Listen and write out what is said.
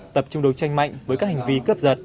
tập trung đấu tranh mạnh với các hành vi cướp giật